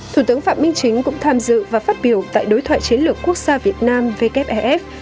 thủ tướng phạm minh chính cũng tham dự và phát biểu tại đối thoại chiến lược quốc gia việt nam vkf